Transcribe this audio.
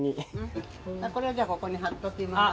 これはじゃあここに貼っておきます。